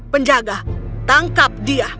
penjaga tangkap dia